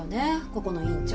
ここの院長。